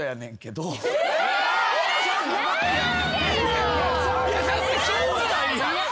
だってしょうがないやん。